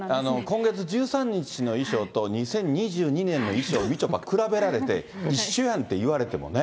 今月１３日の衣装と、２０２２年の衣装、みちょぱ、比べられて、一緒やんっていわれてもね。